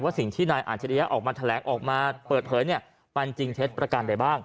ว่าสิ่งที่นายอาจารย์ออกมาแถลงออกมาเปิดเผยปันจริงเช็ดประกันได้บ้าง